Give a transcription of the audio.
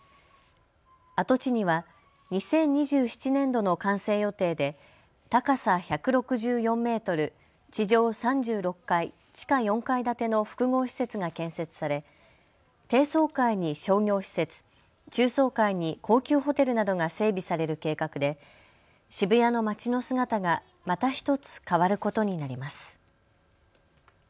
跡地には２０２７年度の完成予定で高さ１６４メートル、地上３６階、地下４階建ての複合施設が建設され低層階に商業施設、中層階に高級ホテルなどが整備される計画で渋谷の街の姿がまたひとつ変わることになります。